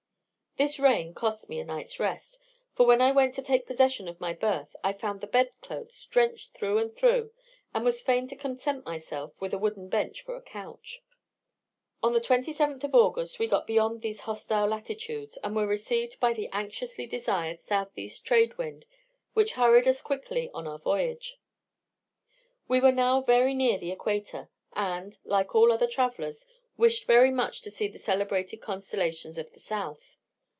This rain cost me a night's rest, for when I went to take possession of my berth, I found the bed clothes drenched through and through, and was fain to content myself with a wooden bench for a couch. On the 27th of August we got beyond these hostile latitudes, and were received by the anxiously desired south east trade wind, which hurried us quickly on our voyage. We were now very near the Equator, and, like all other travellers, wished very much to see the celebrated constellations of the south.